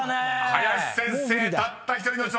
［林先生たった１人の挑戦］